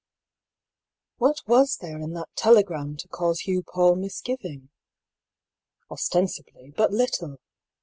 What was there in that telegram to cause Hugh Paull misgiviDg? Ostensibly, but little.